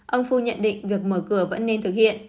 ông fu nhận định việc mở cửa vẫn nên thực hiện